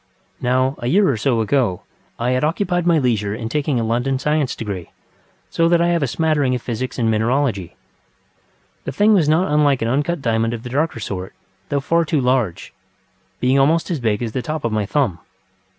Now, a year or so ago, I had occupied my leisure in taking a London science degree, so that I have a smattering of physics and mineralogy. The thing was not unlike an uncut diamond of the darker sort, though far too large, being almost as big as the top of my thumb.